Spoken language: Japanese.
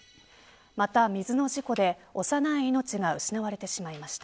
また水の事故で幼い命が失われてしまいました。